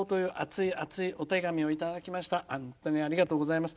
ありがとうございます。